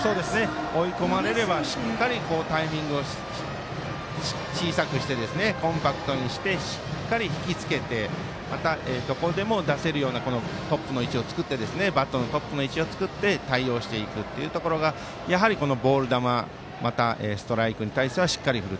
追い込まれればしっかりタイミングを小さくしてコンパクトにしてしっかり引きつけてまたどこでも出せるようなバットのトップの位置を作って対応していくというところがボール球またストライクに対してはしっかり振る。